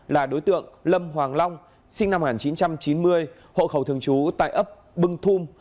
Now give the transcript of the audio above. là đối tượng lâm hoàng long sinh năm một nghìn chín trăm chín mươi hộ khẩu thường trú tại ấp bưng thung